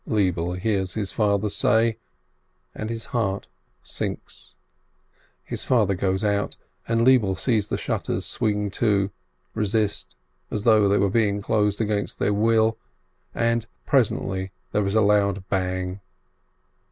Lebele hears his father say, and his heart sinks. His father goes out, and Lebele sees the shutters swing to, resist, as though they were being closed against their will, and presently there is a loud bang.